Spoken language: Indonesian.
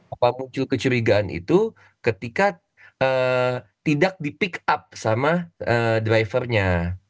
apa muncul kecurigaan itu ketika tidak di pick up sama drivernya